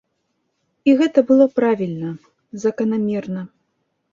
І гэта было правільна, заканамерна.